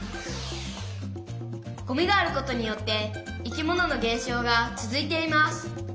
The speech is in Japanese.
「ゴミがあることによって生き物の減少が続いています」。